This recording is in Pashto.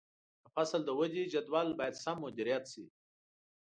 د فصل د ودې جدول باید سم مدیریت شي.